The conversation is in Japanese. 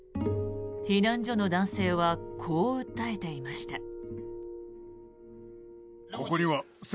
避難所の男性はこう訴えていました。